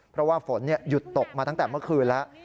เพราะว่าฝนหยุดตกมาตั้งแต่เมื่อคืนแล้ว